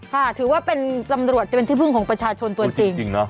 ค่ะถือว่าเป็นตำรวจจะเป็นที่พึ่งของประชาชนตัวจริงนะ